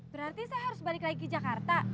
berarti saya harus balik lagi jakarta